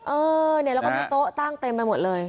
เออเนี่ยแล้วก็มีโต๊ะตั้งเต็มไปหมดเลย